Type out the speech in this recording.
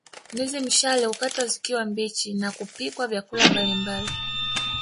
Ndizi mshale hukatwa zikiwa mbichi na kupikiwa vyakula mbalimbali